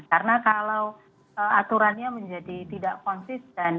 karena kalau aturannya menjadi tidak konsisten